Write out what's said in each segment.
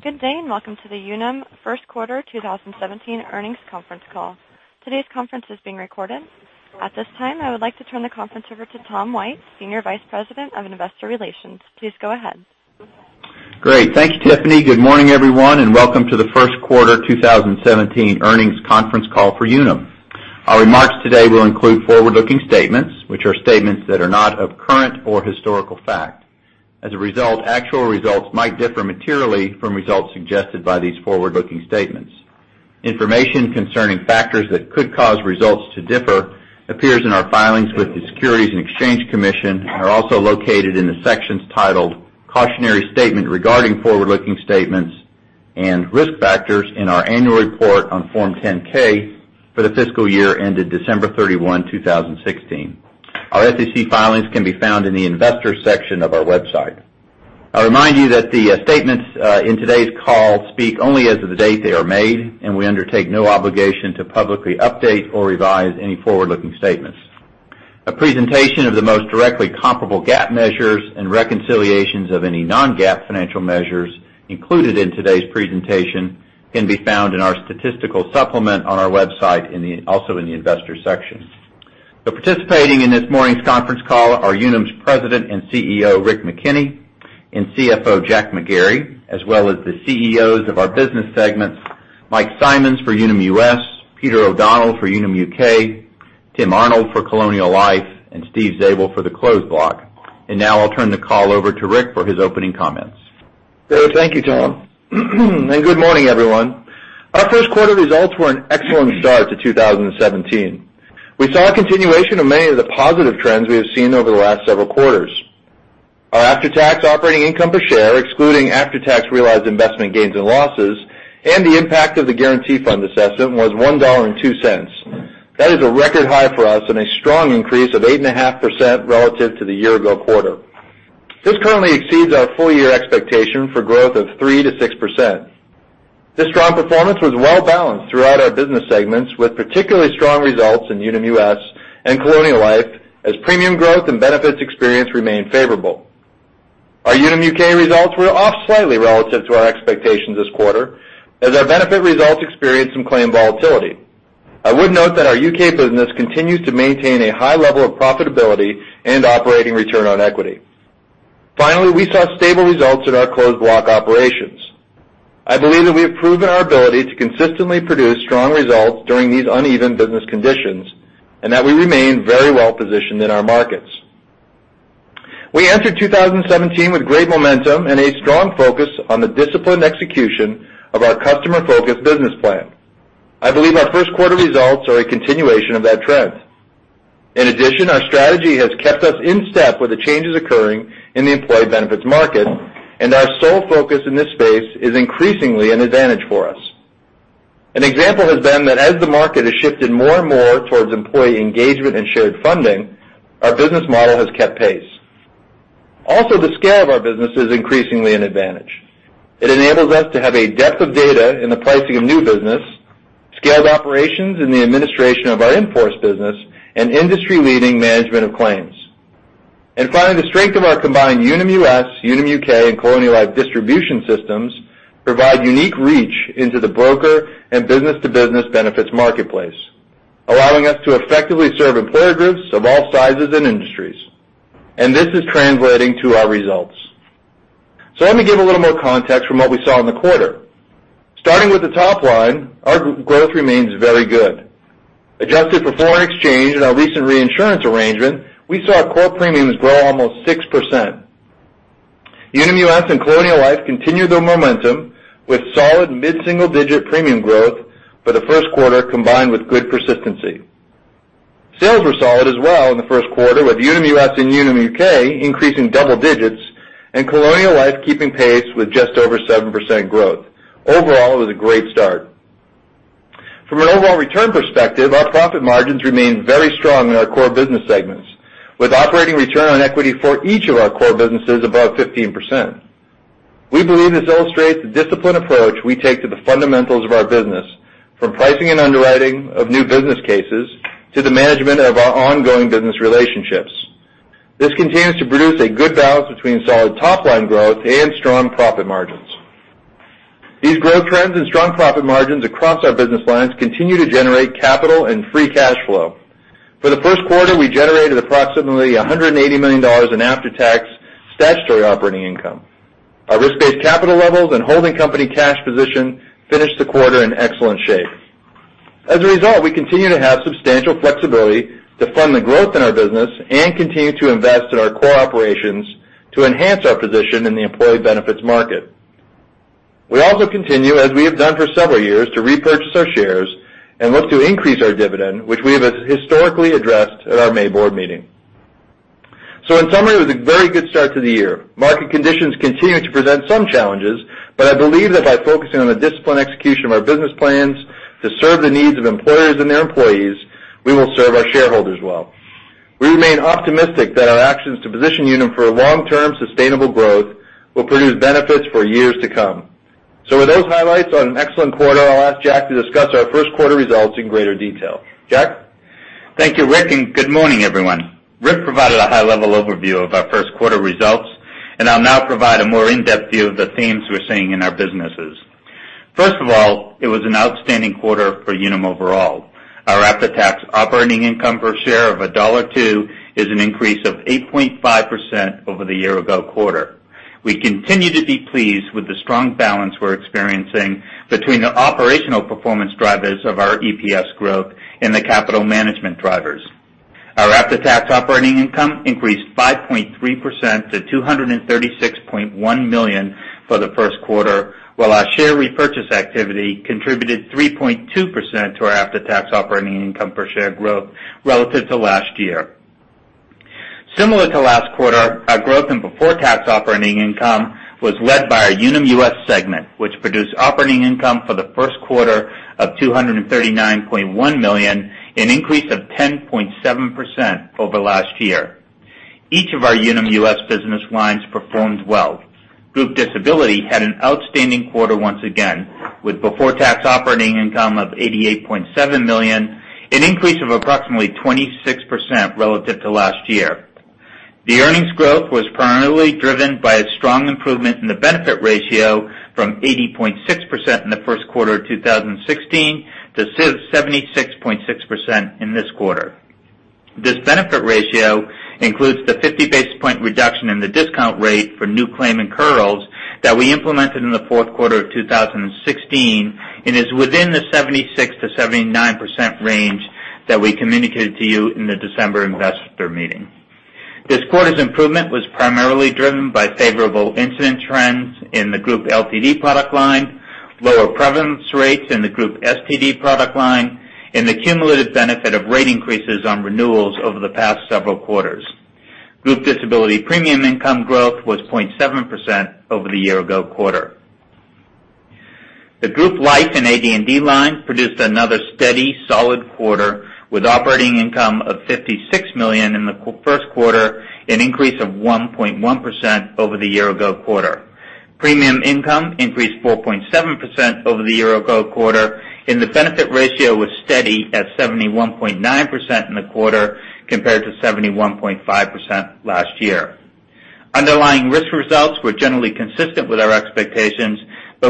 Good day, and welcome to the Unum first quarter 2017 earnings conference call. Today's conference is being recorded. At this time, I would like to turn the conference over to Tom White, senior vice president of investor relations. Please go ahead. Great. Thanks, Tiffany. Good morning, everyone, and welcome to the first quarter 2017 earnings conference call for Unum. Our remarks today will include forward-looking statements, which are statements that are not of current or historical fact. As a result, actual results might differ materially from results suggested by these forward-looking statements. Information concerning factors that could cause results to differ appears in our filings with the Securities and Exchange Commission and are also located in the sections titled "Cautionary Statement Regarding Forward-Looking Statements" and "Risk Factors" in our annual report on Form 10-K for the fiscal year ended December 31, 2016. Our SEC filings can be found in the Investors section of our website. I'll remind you that the statements in today's call speak only as of the date they are made, and we undertake no obligation to publicly update or revise any forward-looking statements. A presentation of the most directly comparable GAAP measures and reconciliations of any non-GAAP financial measures included in today's presentation can be found in our statistical supplement on our website, also in the Investors section. Participating in this morning's conference call are Unum's President and CEO, Rick McKenney, and CFO, Jack McGarry, as well as the CEOs of our business segments, Mike Simonds for Unum US, Peter O'Donnell for Unum UK, Tim Arnold for Colonial Life, and Steve Zabel for the Closed Block. Now I'll turn the call over to Rick for his opening comments. Great. Thank you, Tom. Good morning, everyone. Our first quarter results were an excellent start to 2017. We saw a continuation of many of the positive trends we have seen over the last several quarters. Our after-tax operating income per share, excluding after-tax realized investment gains and losses and the impact of the Guarantee Fund assessment, was $1.02. That is a record high for us and a strong increase of 8.5% relative to the year-ago quarter. This currently exceeds our full-year expectation for growth of 3%-6%. This strong performance was well-balanced throughout our business segments, with particularly strong results in Unum US and Colonial Life as premium growth and benefits experience remained favorable. Our Unum UK results were off slightly relative to our expectations this quarter, as our benefit results experienced some claim volatility. I would note that our U.K. business continues to maintain a high level of profitability and operating return on equity. Finally, we saw stable results in our Closed Block operations. I believe that we have proven our ability to consistently produce strong results during these uneven business conditions, and that we remain very well-positioned in our markets. We entered 2017 with great momentum and a strong focus on the disciplined execution of our customer-focused business plan. I believe our first quarter results are a continuation of that trend. In addition, our strategy has kept us in step with the changes occurring in the employee benefits market, and our sole focus in this space is increasingly an advantage for us. An example has been that as the market has shifted more and more towards employee engagement and shared funding, our business model has kept pace. The scale of our business is increasingly an advantage. It enables us to have a depth of data in the pricing of new business, scaled operations in the administration of our in-force business, and industry-leading management of claims. Finally, the strength of our combined Unum US, Unum UK and Colonial Life distribution systems provide unique reach into the broker and business-to-business benefits marketplace, allowing us to effectively serve employer groups of all sizes and industries. This is translating to our results. Let me give a little more context from what we saw in the quarter. Starting with the top line, our growth remains very good. Adjusted for foreign exchange and our recent reinsurance arrangement, we saw core premiums grow almost 6%. Unum US and Colonial Life continued their momentum with solid mid-single-digit premium growth for the first quarter, combined with good persistency. Sales were solid as well in the first quarter, with Unum US and Unum UK increasing double digits and Colonial Life keeping pace with just over 7% growth. Overall, it was a great start. From an overall return perspective, our profit margins remain very strong in our core business segments, with operating return on equity for each of our core businesses above 15%. We believe this illustrates the disciplined approach we take to the fundamentals of our business, from pricing and underwriting of new business cases to the management of our ongoing business relationships. This continues to produce a good balance between solid top-line growth and strong profit margins. These growth trends and strong profit margins across our business lines continue to generate capital and free cash flow. For the first quarter, we generated approximately $180 million in after-tax statutory operating income. Our risk-based capital levels and holding company cash position finished the quarter in excellent shape. As a result, we continue to have substantial flexibility to fund the growth in our business and continue to invest in our core operations to enhance our position in the employee benefits market. We also continue, as we have done for several years, to repurchase our shares and look to increase our dividend, which we have historically addressed at our May board meeting. In summary, it was a very good start to the year. Market conditions continue to present some challenges, but I believe that by focusing on the disciplined execution of our business plans to serve the needs of employers and their employees, we will serve our shareholders well. We remain optimistic that our actions to position Unum for a long-term sustainable growth will produce benefits for years to come. With those highlights on an excellent quarter, I'll ask Jack to discuss our first quarter results in greater detail. Jack? Thank you, Rick, and good morning, everyone. Rick provided a high-level overview of our first quarter results, I'll now provide a more in-depth view of the themes we're seeing in our businesses. First of all, it was an outstanding quarter for Unum overall. Our after-tax operating income per share of $1.02 is an increase of 8.5% over the year-ago quarter. We continue to be pleased with the strong balance we're experiencing between the operational performance drivers of our EPS growth and the capital management drivers. Our after-tax operating income increased 5.3% to $236.1 million for the first quarter, while our share repurchase activity contributed 3.2% to our after-tax operating income per share growth relative to last year. Similar to last quarter, our growth in before-tax operating income was led by our Unum US segment, which produced operating income for the first quarter of $239.1 million, an increase of 10.7% over last year. Each of our Unum US business lines performed well. Group Disability had an outstanding quarter once again, with before-tax operating income of $88.7 million, an increase of approximately 26% relative to last year. The earnings growth was primarily driven by a strong improvement in the benefit ratio from 80.6% in the first quarter of 2016 to 76.6% in this quarter. This benefit ratio includes the 50-basis-point reduction in the discount rate for new claim incurrals that we implemented in the fourth quarter of 2016 and is within the 76%-79% range that we communicated to you in the December investor meeting. This quarter's improvement was primarily driven by favorable incident trends in the Group LTD product line, lower prevalence rates in the Group STD product line, the cumulative benefit of rate increases on renewals over the past several quarters. Group Disability premium income growth was 0.7% over the year-ago quarter. The Group Life and AD&D lines produced another steady, solid quarter with operating income of $56 million in the first quarter, an increase of 1.1% over the year-ago quarter. Premium income increased 4.7% over the year-ago quarter, the benefit ratio was steady at 71.9% in the quarter, compared to 71.5% last year. Underlying risk results were generally consistent with our expectations,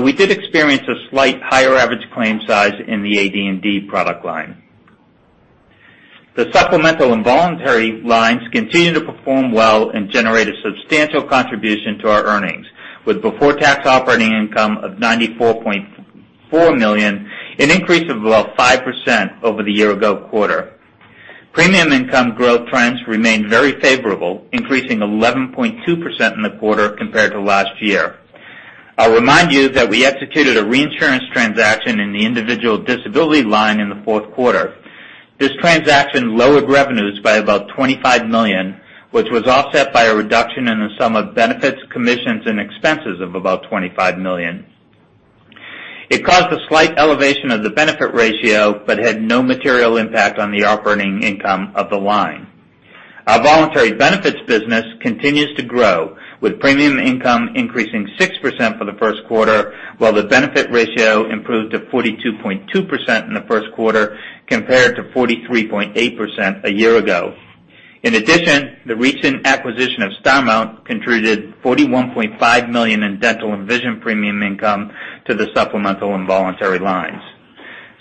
we did experience a slight higher average claim size in the AD&D product line. The supplemental and voluntary lines continue to perform well and generate a substantial contribution to our earnings, with before-tax operating income of $94.4 million, an increase of about 5% over the year-ago quarter. Premium income growth trends remained very favorable, increasing 11.2% in the quarter compared to last year. I'll remind you that we executed a reinsurance transaction in the individual disability line in the fourth quarter. This transaction lowered revenues by about $25 million, which was offset by a reduction in the sum of benefits, commissions, and expenses of about $25 million. It caused a slight elevation of the benefit ratio but had no material impact on the operating income of the line. Our voluntary benefits business continues to grow, with premium income increasing 6% for the first quarter, while the benefit ratio improved to 42.2% in the first quarter compared to 43.8% a year ago. In addition, the recent acquisition of Starmount contributed $41.5 million in dental and vision premium income to the supplemental and voluntary lines.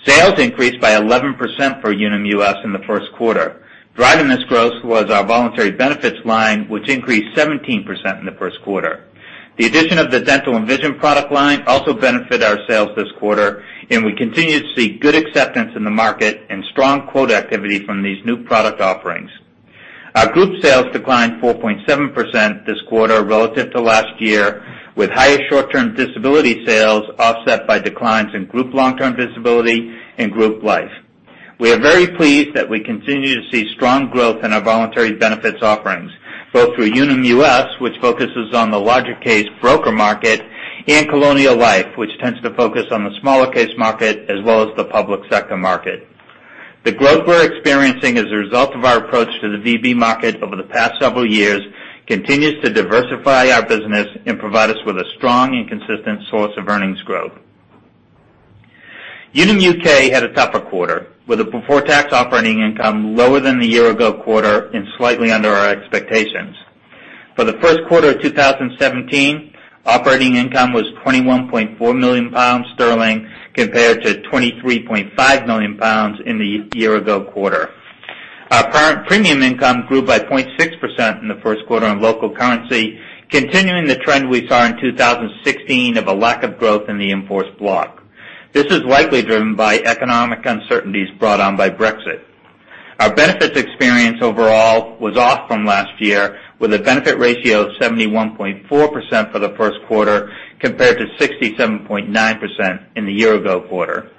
Sales increased by 11% for Unum US in the first quarter. Driving this growth was our voluntary benefits line, which increased 17% in the first quarter. The addition of the dental and vision product line also benefited our sales this quarter, and we continue to see good acceptance in the market and strong quote activity from these new product offerings. Our group sales declined 4.7% this quarter relative to last year, with higher short-term disability sales offset by declines in group long-term disability and group life. We are very pleased that we continue to see strong growth in our voluntary benefits offerings, both through Unum US, which focuses on the larger case broker market, and Colonial Life, which tends to focus on the smaller case market as well as the public sector market. The growth we're experiencing as a result of our approach to the VB market over the past several years continues to diversify our business and provide us with a strong and consistent source of earnings growth. Unum UK had a tougher quarter, with a before-tax operating income lower than the year-ago quarter and slightly under our expectations. For the first quarter of 2017, operating income was £21.4 million, compared to £23.5 million in the year-ago quarter. Our premium income grew by 0.6% in the first quarter on local currency, continuing the trend we saw in 2016 of a lack of growth in the in-force block. This is likely driven by economic uncertainties brought on by Brexit. Our benefits experience overall was off from last year, with a benefit ratio of 71.4% for the first quarter, compared to 67.9% in the year-ago quarter.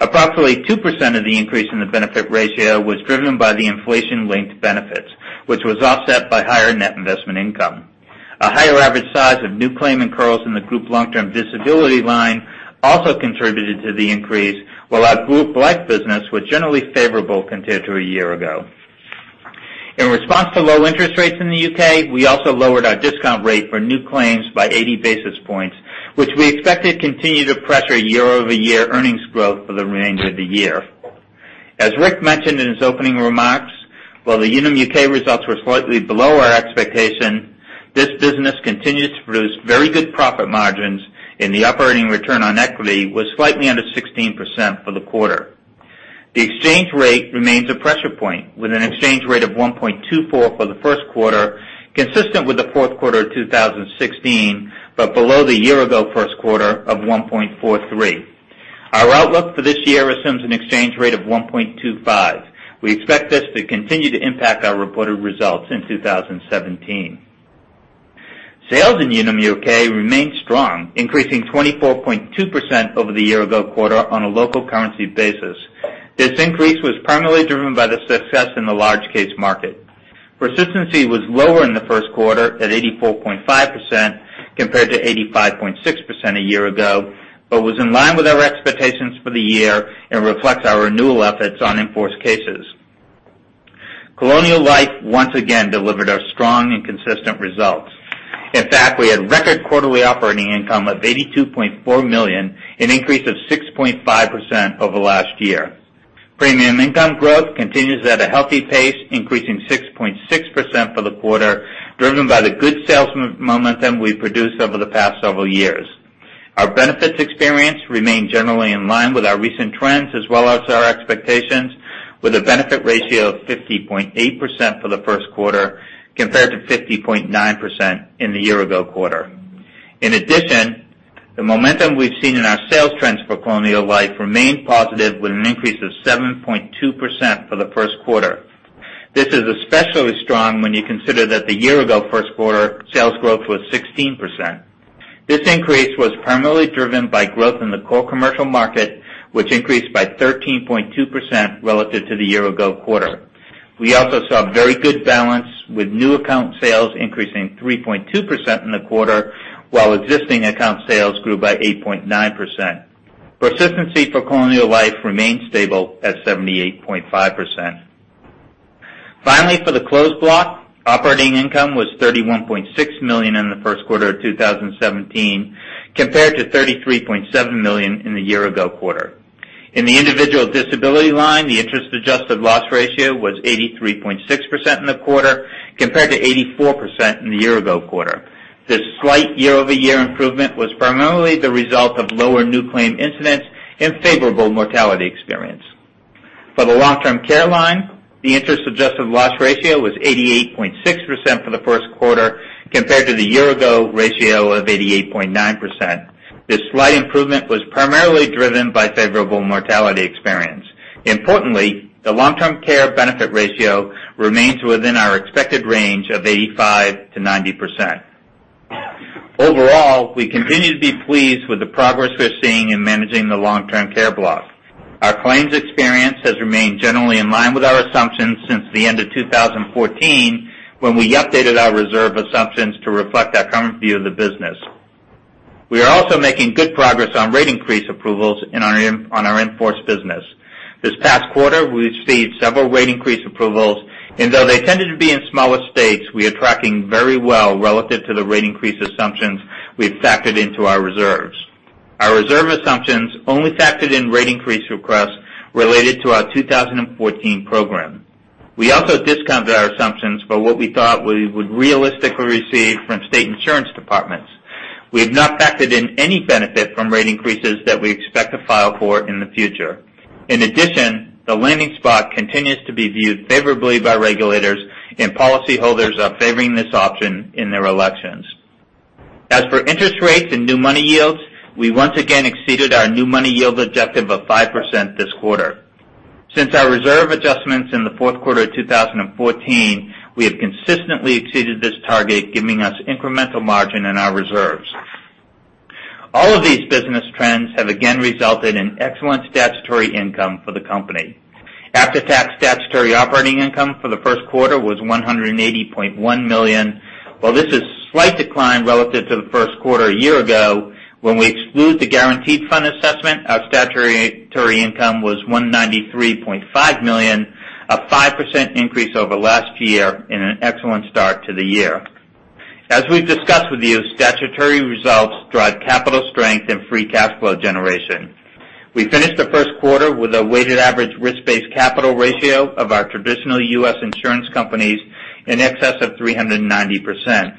Approximately 2% of the increase in the benefit ratio was driven by the inflation-linked benefits, which was offset by higher net investment income. A higher average size of new claim incurrals in the group long-term disability line also contributed to the increase, while our group life business was generally favorable compared to a year ago. In response to low interest rates in the U.K., we also lowered our discount rate for new claims by 80 basis points, which we expect to continue to pressure year-over-year earnings growth for the remainder of the year. As Rick mentioned in his opening remarks, while the Unum U.K. results were slightly below our expectation, this business continues to produce very good profit margins, and the operating return on equity was slightly under 16% for the quarter. The exchange rate remains a pressure point, with an exchange rate of 1.24 for the first quarter, consistent with the fourth quarter of 2016, but below the year-ago first quarter of 1.43. Our outlook for this year assumes an exchange rate of 1.25. We expect this to continue to impact our reported results in 2017. Sales in Unum U.K. remain strong, increasing 24.2% over the year-ago quarter on a local currency basis. This increase was primarily driven by the success in the large case market. Persistency was lower in the first quarter at 84.5%, compared to 85.6% a year ago, but was in line with our expectations for the year and reflects our renewal efforts on in-force cases. Colonial Life once again delivered us strong and consistent results. In fact, we had record quarterly operating income of $82.4 million, an increase of 6.5% over last year. Premium income growth continues at a healthy pace, increasing 6.6% for the quarter, driven by the good sales momentum we produced over the past several years. Our benefits experience remained generally in line with our recent trends as well as our expectations, with a benefit ratio of 50.8% for the first quarter, compared to 50.9% in the year-ago quarter. In addition, the momentum we've seen in our sales trends for Colonial Life remained positive with an increase of 7.2% for the first quarter. This is especially strong when you consider that the year-ago first quarter sales growth was 16%. This increase was primarily driven by growth in the core commercial market, which increased by 13.2% relative to the year-ago quarter. We also saw very good balance with new account sales increasing 3.2% in the quarter, while existing account sales grew by 8.9%. Persistency for Colonial Life remained stable at 78.5%. Finally, for the Closed Block, operating income was $31.6 million in the first quarter of 2017, compared to $33.7 million in the year-ago quarter. In the individual disability line, the interest-adjusted loss ratio was 83.6% in the quarter, compared to 84% in the year-ago quarter. This slight year-over-year improvement was primarily the result of lower new claim incidents and favorable mortality experience. For the long-term care line, the interest-adjusted loss ratio was 88.6% for the first quarter, compared to the year-ago ratio of 88.9%. This slight improvement was primarily driven by favorable mortality experience. Importantly, the long-term care benefit ratio remains within our expected range of 85%-90%. Overall, we continue to be pleased with the progress we're seeing in managing the long-term care block. Our claims experience has remained generally in line with our assumptions since the end of 2014, when we updated our reserve assumptions to reflect our current view of the business. We are also making good progress on rate increase approvals on our in-force business. This past quarter, we received several rate increase approvals, and though they tended to be in smaller states, we are tracking very well relative to the rate increase assumptions we've factored into our reserves. Our reserve assumptions only factored in rate increase requests related to our 2014 program. We also discounted our assumptions for what we thought we would realistically receive from state insurance departments. We have not factored in any benefit from rate increases that we expect to file for in the future. In addition, the landing spot continues to be viewed favorably by regulators, and policyholders are favoring this option in their elections. As for interest rates and new money yields, we once again exceeded our new money yield objective of 5% this quarter. Since our reserve adjustments in the fourth quarter of 2014, we have consistently exceeded this target, giving us incremental margin in our reserves. All of these business trends have again resulted in excellent statutory income for the company. After-tax statutory operating income for the first quarter was $180.1 million. While this is a slight decline relative to the first quarter a year ago, when we exclude the Guarantee Fund assessment, our statutory income was $193.5 million, a 5% increase over last year and an excellent start to the year. As we've discussed with you, statutory results drive capital strength and free cash flow generation. We finished the first quarter with a weighted average risk-based capital ratio of our traditional U.S. insurance companies in excess of 390%.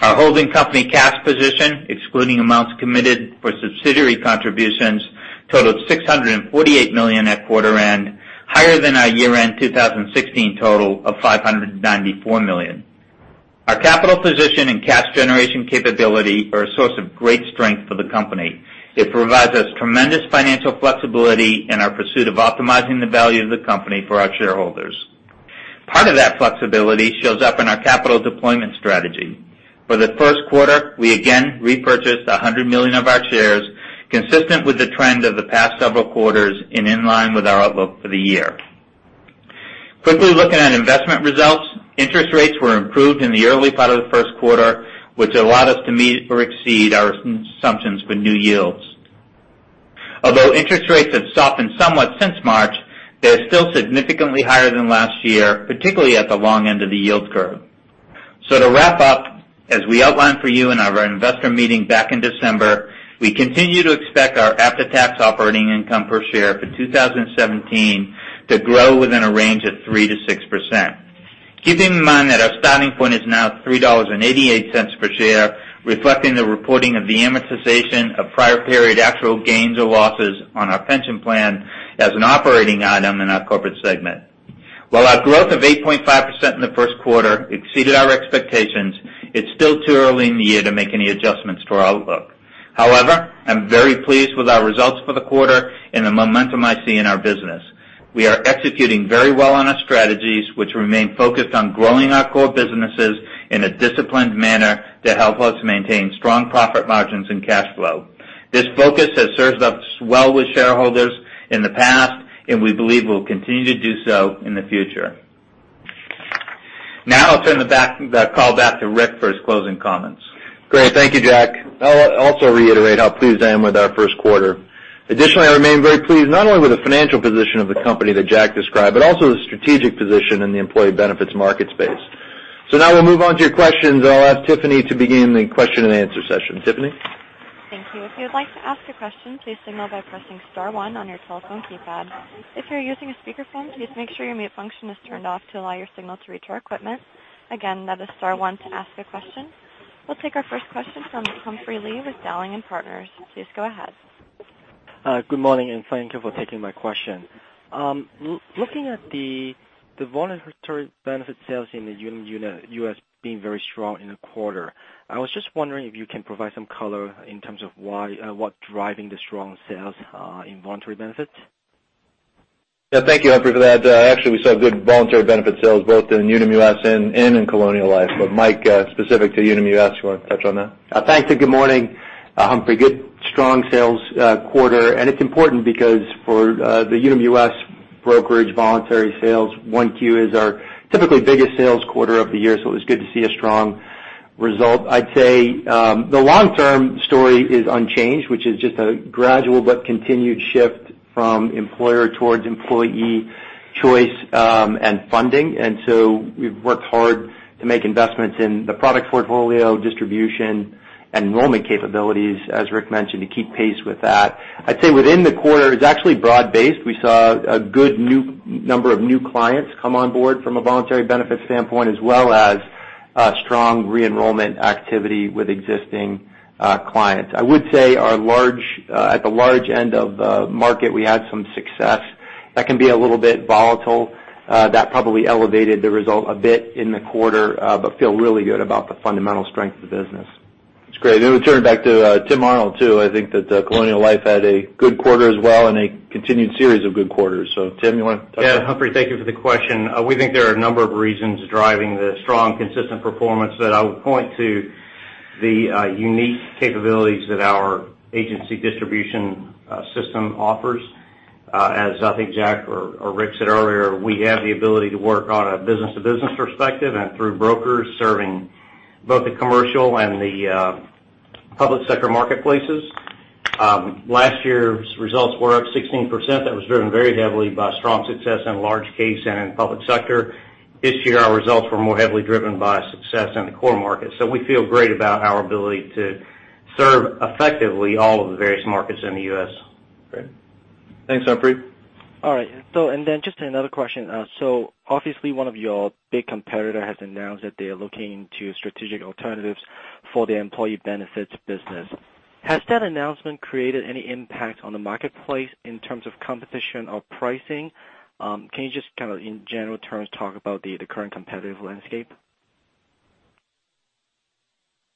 Our holding company cash position, excluding amounts committed for subsidiary contributions, totaled $648 million at quarter end, higher than our year-end 2016 total of $594 million. Our capital position and cash generation capability are a source of great strength for the company. It provides us tremendous financial flexibility in our pursuit of optimizing the value of the company for our shareholders. Part of that flexibility shows up in our capital deployment strategy. For the first quarter, we again repurchased $100 million of our shares, consistent with the trend of the past several quarters and in line with our outlook for the year. Quickly looking at investment results, interest rates were improved in the early part of the first quarter, which allowed us to meet or exceed our assumptions for new yields. Although interest rates have softened somewhat since March, they're still significantly higher than last year, particularly at the long end of the yield curve. To wrap up, as we outlined for you in our investor meeting back in December, we continue to expect our after-tax operating income per share for 2017 to grow within a range of 3% to 6%. Keeping in mind that our starting point is now $3.88 per share, reflecting the reporting of the amortization of prior period actual gains or losses on our pension plan as an operating item in our corporate segment. While our growth of 8.5% in the first quarter exceeded our expectations, it's still too early in the year to make any adjustments to our outlook. However, I'm very pleased with our results for the quarter and the momentum I see in our business. We are executing very well on our strategies, which remain focused on growing our core businesses in a disciplined manner to help us maintain strong profit margins and cash flow. This focus has served us well with shareholders in the past, and we believe will continue to do so in the future. I'll turn the call back to Rick for his closing comments. Great. Thank you, Jack. I'll also reiterate how pleased I am with our first quarter. Additionally, I remain very pleased, not only with the financial position of the company that Jack described, but also the strategic position in the employee benefits market space. Now we'll move on to your questions, and I'll ask Tiffany to begin the question and answer session. Tiffany? Thank you. If you're using a speakerphone, please make sure your mute function is turned off to allow your signal to reach our equipment. Again, that is star one to ask a question. We'll take our first question from Humphrey Lee with Dowling & Partners. Please go ahead. Good morning. Thank you for taking my question. Looking at the voluntary benefit sales in the Unum US being very strong in the quarter, I was just wondering if you can provide some color in terms of what driving the strong sales in voluntary benefits. Yeah, thank you, Humphrey, for that. Actually, we saw good voluntary benefit sales both in Unum US and in Colonial Life. Mike, specific to Unum US, you want to touch on that? Thanks, good morning, Humphrey. Good strong sales quarter. It's important because for the Unum US brokerage voluntary sales, Q1 is our typically biggest sales quarter of the year, so it was good to see a strong result. I'd say the long-term story is unchanged, which is just a gradual but continued shift from employer towards employee choice and funding. We've worked hard to make investments in the product portfolio, distribution, enrollment capabilities, as Rick mentioned, to keep pace with that. I'd say within the quarter, it's actually broad-based. We saw a good number of new clients come on board from a voluntary benefit standpoint, as well as strong re-enrollment activity with existing clients. I would say at the large end of the market, we had some success. That can be a little bit volatile. That probably elevated the result a bit in the quarter. Feel really good about the fundamental strength of the business. That's great. Maybe we turn back to Tim Arnold, too. I think that Colonial Life had a good quarter as well. A continued series of good quarters. Tim, you want to touch on that? Humphrey, thank you for the question. We think there are a number of reasons driving the strong consistent performance that I would point to the unique capabilities that our agency distribution system offers. As I think Jack or Rick said earlier, we have the ability to work on a business-to-business perspective and through brokers serving both the commercial and the public sector marketplaces. Last year's results were up 16%. That was driven very heavily by strong success in large case and in public sector. This year, our results were more heavily driven by success in the core market. We feel great about our ability to serve effectively all of the various markets in the U.S. Great. Thanks, Humphrey. All right. Just another question. Obviously, one of your big competitors has announced that they're looking into strategic alternatives for their employee benefits business. Has that announcement created any impact on the marketplace in terms of competition or pricing? Can you just kind of, in general terms, talk about the current competitive landscape?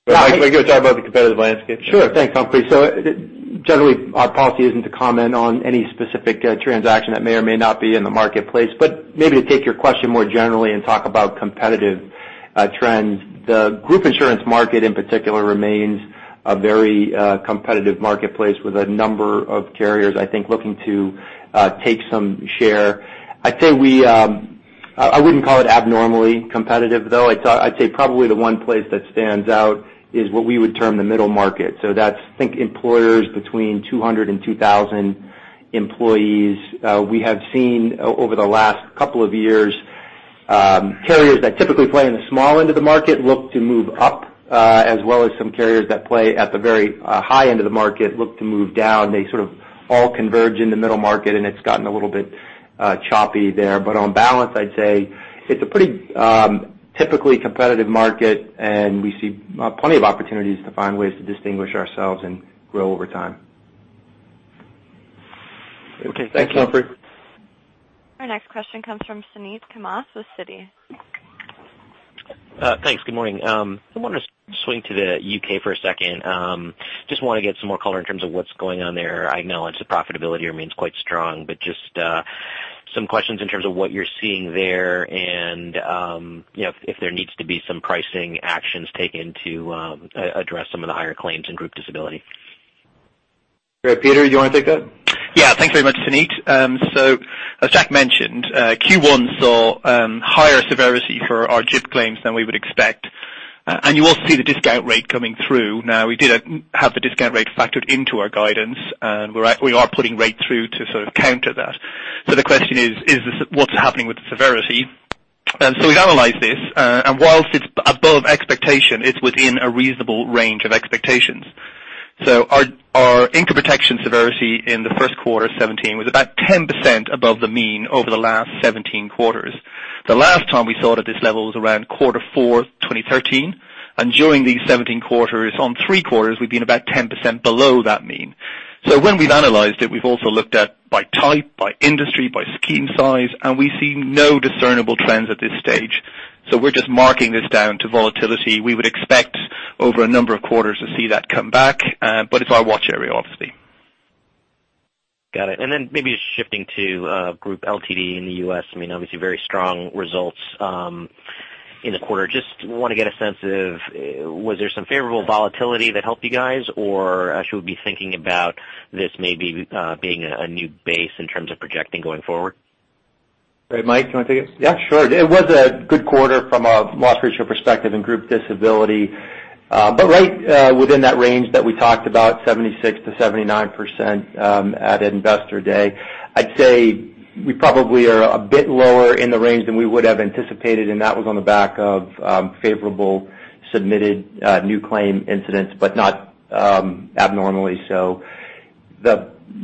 Mike, do you want to talk about the competitive landscape? Sure. Thanks, Humphrey. Generally, our policy isn't to comment on any specific transaction that may or may not be in the marketplace, but maybe to take your question more generally and talk about competitive trends. The group insurance market in particular remains a very competitive marketplace with a number of carriers, I think, looking to take some share. I wouldn't call it abnormally competitive, though. I'd say probably the one place that stands out is what we would term the middle market. That's, think employers between 200 and 2,000 employees. We have seen over the last couple of years, carriers that typically play in the small end of the market look to move up, as well as some carriers that play at the very high end of the market look to move down. They sort of all converge in the middle market, and it's gotten a little bit choppy there. On balance, I'd say it's a pretty typically competitive market, and we see plenty of opportunities to find ways to distinguish ourselves and grow over time. Okay. Thanks, Humphrey. Our next question comes from Suneet Kamath with Citi. Thanks. Good morning. I want to swing to the U.K. for a second. Just want to get some more color in terms of what's going on there. I acknowledge the profitability remains quite strong, but just some questions in terms of what you're seeing there and if there needs to be some pricing actions taken to address some of the higher claims in Group Disability. Peter, you want to take that? Yeah. Thanks very much, Suneet. As Jack mentioned, Q1 saw higher severity for our GIP claims than we would expect You also see the discount rate coming through. Now, we did have the discount rate factored into our guidance, and we are putting rate through to sort of counter that. The question is, what's happening with the severity? We've analyzed this, and whilst it's above expectation, it's within a reasonable range of expectations. Our income protection severity in the first quarter of 2017 was about 10% above the mean over the last 17 quarters. The last time we saw it at this level was around quarter 4 2013. During these 17 quarters, on three quarters, we've been about 10% below that mean. When we've analyzed it, we've also looked at by type, by industry, by scheme size, and we see no discernible trends at this stage. We're just marking this down to volatility. We would expect over a number of quarters to see that come back. It's our watch area, obviously. Got it. Then maybe just shifting to Group LTD in the U.S., obviously very strong results in the quarter. Just want to get a sense of, was there some favorable volatility that helped you guys, or should we be thinking about this maybe being a new base in terms of projecting going forward? Hey, Mike, do you want to take it? Yeah, sure. It was a good quarter from a loss ratio perspective in Group Disability. Right within that range that we talked about, 76%-79% at Investor Day. I'd say we probably are a bit lower in the range than we would have anticipated, that was on the back of favorable submitted new claim incidents, not abnormally so.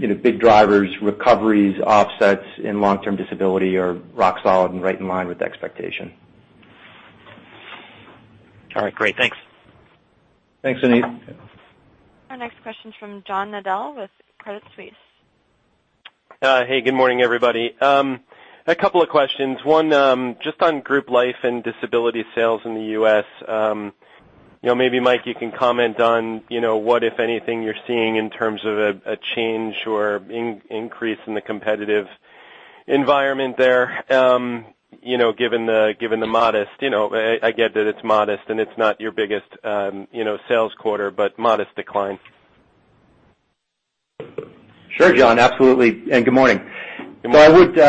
The big drivers, recoveries, offsets in long-term disability are rock solid and right in line with expectation. All right. Great. Thanks. Thanks, Suneet. Our next question's from John Nadel with Credit Suisse. Hey, good morning, everybody. A couple of questions. One, just on Group Life and Group Disability sales in the U.S. Maybe, Mike, you can comment on what, if anything, you're seeing in terms of a change or increase in the competitive environment there, given the modest, I get that it's modest and it's not your biggest sales quarter, but modest decline. Sure, John, absolutely. Good morning. Good morning.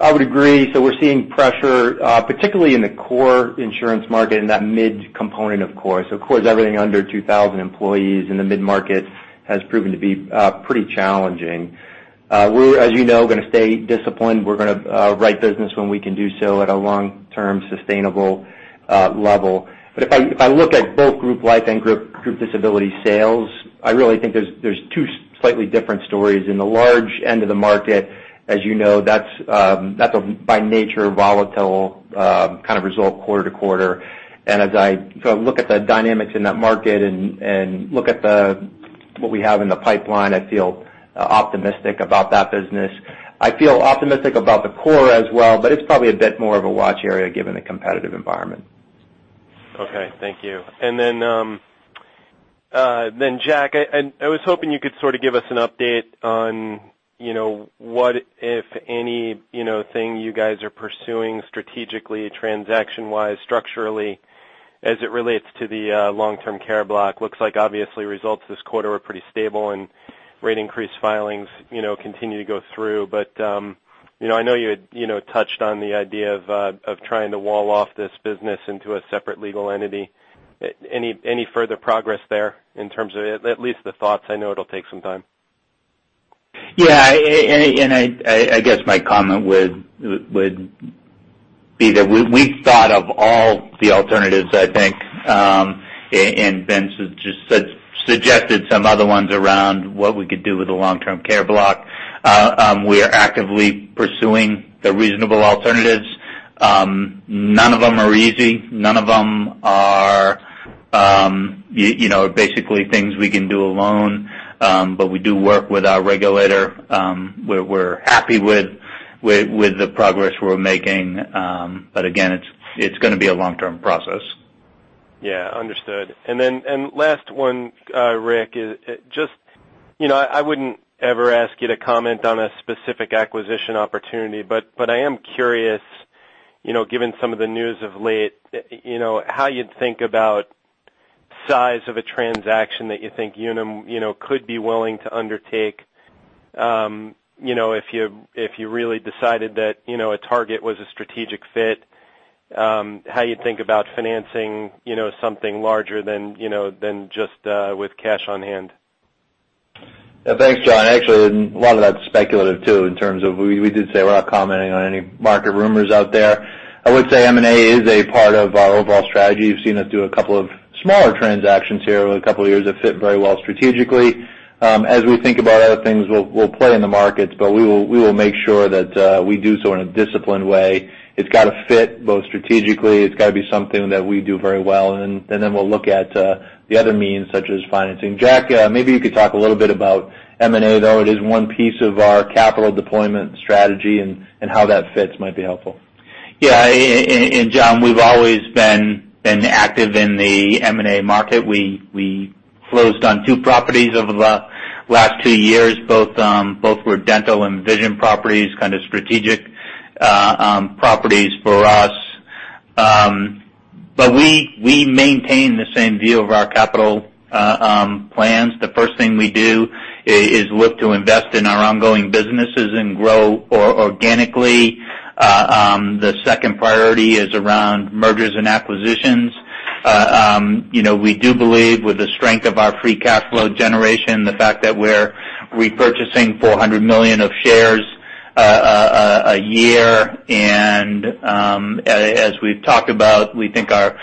I would agree. We're seeing pressure, particularly in the core insurance market in that mid component, of course. Core is everything under 2,000 employees in the mid-market has proven to be pretty challenging. We're, as you know, going to stay disciplined. We're going to write business when we can do so at a long-term sustainable level. If I look at both Group Life and Group Disability sales, I really think there's two slightly different stories. In the large end of the market, as you know, that's by nature, volatile kind of result quarter-to-quarter. As I look at the dynamics in that market and look at what we have in the pipeline, I feel optimistic about that business. I feel optimistic about the core as well, but it's probably a bit more of a watch area given the competitive environment. Okay. Thank you. Then, Jack, I was hoping you could sort of give us an update on what, if anything, you guys are pursuing strategically, transaction-wise, structurally as it relates to the long-term care Closed Block. Looks like obviously results this quarter were pretty stable and rate increase filings continue to go through. I know you had touched on the idea of trying to wall off this business into a separate legal entity. Any further progress there in terms of at least the thoughts? I know it'll take some time. Yeah. I guess my comment would be that we've thought of all the alternatives, I think, and Ben suggested some other ones around what we could do with the long-term care Closed Block. We are actively pursuing the reasonable alternatives. None of them are easy. None of them are basically things we can do alone. We do work with our regulator. We're happy with the progress we're making. Again, it's going to be a long-term process. Yeah. Understood. Last one, Rick, I wouldn't ever ask you to comment on a specific acquisition opportunity, but I am curious, given some of the news of late, how you'd think about size of a transaction that you think Unum could be willing to undertake if you really decided that a target was a strategic fit, how you think about financing something larger than just with cash on hand. Thanks, John. Actually, a lot of that's speculative, too, in terms of we did say we're not commenting on any market rumors out there. I would say M&A is a part of our overall strategy. You've seen us do a couple of smaller transactions here over a couple of years that fit very well strategically. As we think about other things, we'll play in the markets, we will make sure that we do so in a disciplined way. It's got to fit both strategically. It's got to be something that we do very well. We'll look at the other means, such as financing. Jack, maybe you could talk a little bit about M&A, though. It is one piece of our capital deployment strategy and how that fits might be helpful. Yeah. John, we've always been active in the M&A market. We closed on two properties over the last two years, both were dental and vision properties, kind of strategic properties for us. We maintain the same view of our capital plans. The first thing we do is look to invest in our ongoing businesses and grow organically. The second priority is around mergers and acquisitions. We do believe with the strength of our free cash flow generation, the fact that we're repurchasing $400 million of shares a year, as we've talked about, we think our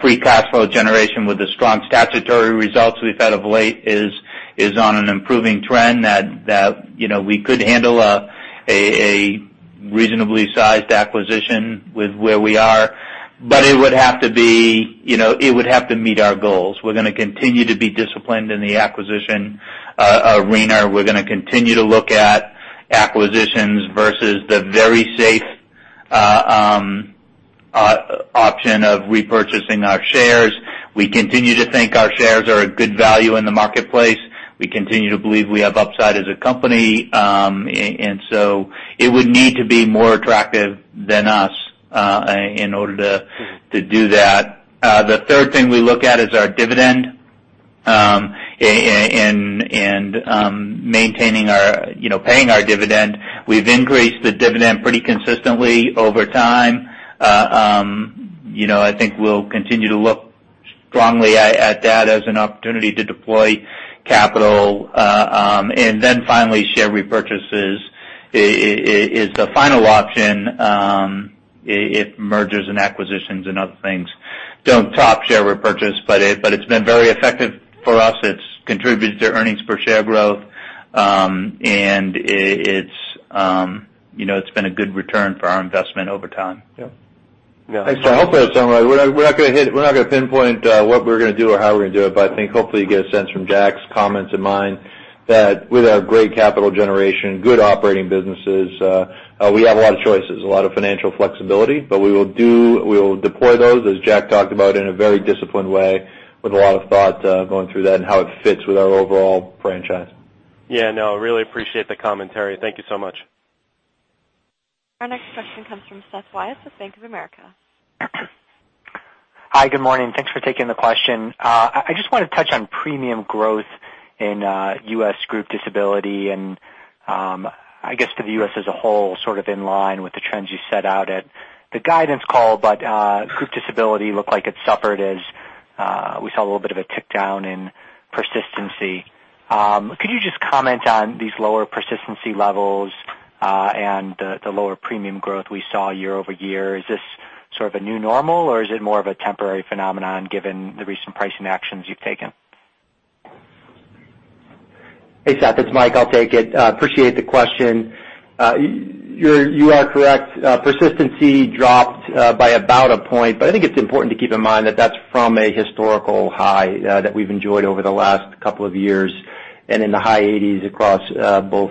free cash flow generation with the strong statutory results we've had of late is on an improving trend that we could handle a reasonably sized acquisition with where we are. It would have to meet our goals. We're going to continue to be disciplined in the acquisition arena. We're going to continue to look at acquisitions versus the very safe option of repurchasing our shares. We continue to think our shares are a good value in the marketplace. We continue to believe we have upside as a company. It would need to be more attractive than us in order to do that. The third thing we look at is our dividend, and maintaining paying our dividend. We've increased the dividend pretty consistently over time. I think we'll continue to look strongly at that as an opportunity to deploy capital. Finally, share repurchases is the final option if mergers and acquisitions and other things don't top share repurchase, it's been very effective for us. It's contributed to earnings per share growth. It's been a good return for our investment over time. Yeah. I hope that summarized it. We're not going to pinpoint what we're going to do or how we're going to do it, I think hopefully you get a sense from Jack's comments and mine that with our great capital generation, good operating businesses, we have a lot of choices, a lot of financial flexibility, we will deploy those, as Jack talked about, in a very disciplined way with a lot of thought going through that and how it fits with our overall franchise. Yeah, no, really appreciate the commentary. Thank you so much. Our next question comes from Seth Weiss with Bank of America. Hi, good morning. Thanks for taking the question. I just want to touch on premium growth in U.S. Group Disability and, I guess to the U.S. as a whole, sort of in line with the trends you set out at the guidance call, but Group Disability looked like it suffered as we saw a little bit of a tick down in persistency. Could you just comment on these lower persistency levels, and the lower premium growth we saw year-over-year? Is this sort of a new normal, or is it more of a temporary phenomenon given the recent pricing actions you've taken? Hey, Seth, it's Mike. I'll take it. Appreciate the question. You are correct. Persistency dropped by about a point. I think it's important to keep in mind that that's from a historical high that we've enjoyed over the last couple of years. In the high 80s across both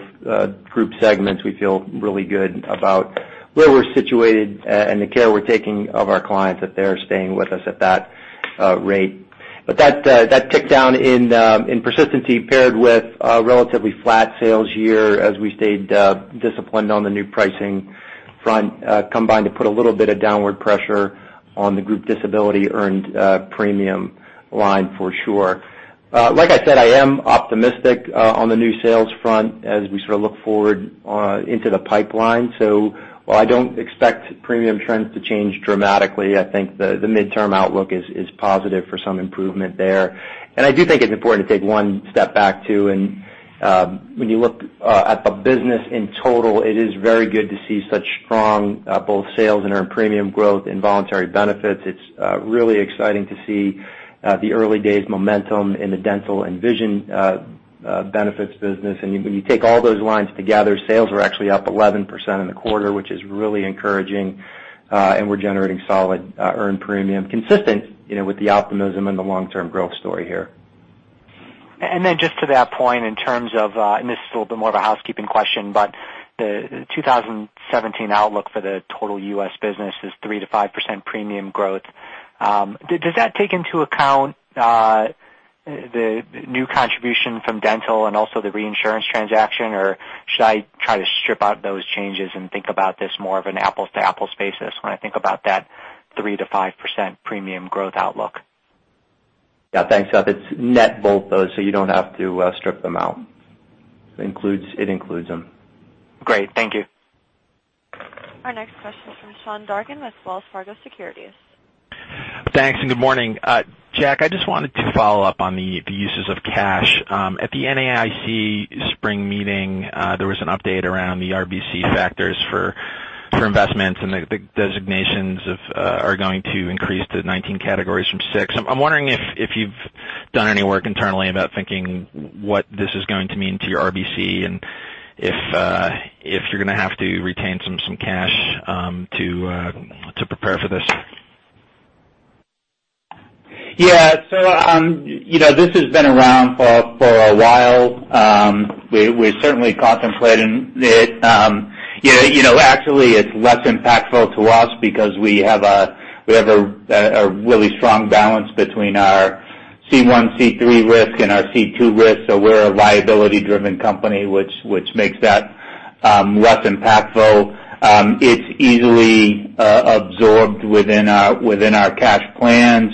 group segments, we feel really good about where we're situated and the care we're taking of our clients, that they're staying with us at that rate. That tick down in persistency paired with a relatively flat sales year as we stayed disciplined on the new pricing front, combined to put a little bit of downward pressure on the Group Disability earned premium line for sure. Like I said, I am optimistic on the new sales front as we sort of look forward into the pipeline. While I don't expect premium trends to change dramatically, I think the midterm outlook is positive for some improvement there. I do think it's important to take one step back, too, and when you look at the business in total, it is very good to see such strong both sales and earned premium growth in voluntary benefits. It's really exciting to see the early days momentum in the dental and vision benefits business. When you take all those lines together, sales are actually up 11% in the quarter, which is really encouraging. We're generating solid earned premium consistent with the optimism and the long-term growth story here. Just to that point, in terms of, and this is a little bit more of a housekeeping question, the 2017 outlook for the total U.S. business is 3%-5% premium growth. Does that take into account the new contribution from dental and also the reinsurance transaction, or should I try to strip out those changes and think about this more of an apples-to-apples basis when I think about that 3%-5% premium growth outlook? Yeah, thanks, Seth. It's net both those, you don't have to strip them out. It includes them. Great. Thank you. Our next question is from Sean Dargan with Wells Fargo Securities. Thanks, good morning. Jack, I just wanted to follow up on the uses of cash. At the NAIC spring meeting, there was an update around the RBC factors for investments, the designations are going to increase to 19 categories from six. I'm wondering if you've done any work internally about thinking what this is going to mean to your RBC and if you're going to have to retain some cash to prepare for this? Yeah. This has been around for a while. We're certainly contemplating it. Actually, it's less impactful to us because we have a really strong balance between our C1, C3 risk and our C2 risk, we're a liability-driven company, which makes that less impactful. It's easily absorbed within our cash plans,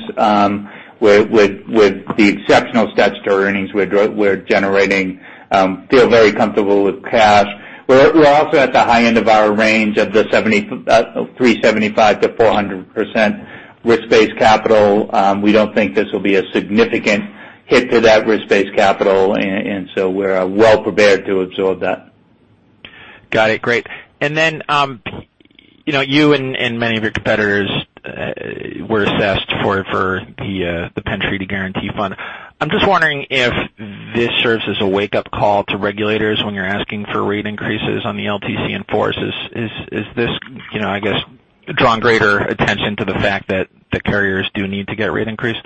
with the exceptional statutory earnings we're generating, feel very comfortable with cash. We're also at the high end of our range of the 375%-400% risk-based capital. We don't think this will be a significant hit to that risk-based capital. We're well prepared to absorb that. Got it. Great. You and many of your competitors were assessed for the Penn Treaty Guarantee Fund. I'm just wondering if this serves as a wake-up call to regulators when you're asking for rate increases on the LTC in-force. Is this, I guess, drawing greater attention to the fact that the carriers do need to get rate increased?